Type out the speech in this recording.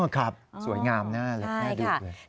อ๋อครับสวยงามน่าดู